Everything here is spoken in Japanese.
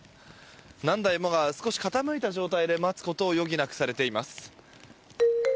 何台もが少し傾いた状態で待つことを余儀なくされています。